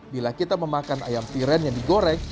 bila kita memakan ayam tiren yang digoreng